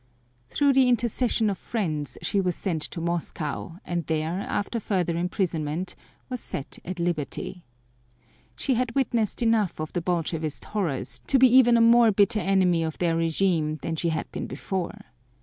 Through the intercession of friends she was sent to Moscow, and there, after further imprisonment, was set at liberty. She had witnessed enough of the Bolshevist horrors to be even a more bitter enemy of their regime than she had been before.